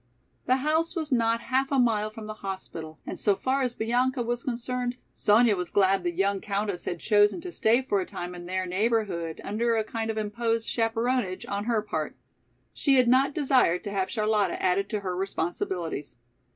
The house was not half a mile from the hospital, and so far as Bianca was concerned, Sonya was glad the young countess had chosen to stay for a time in their neighborhood under a kind of imposed chaperonage on her part. She had not desired to have Charlotta added to her responsibilities.